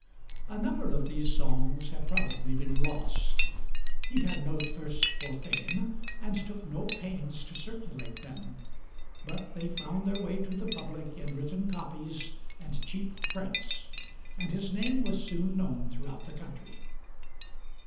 A number of these songs have probably been lost; he had no thirst for fame, and took no pains to circulate them, but they found their way to the public in written copies and cheap prints, and his name was soon known throughout the country.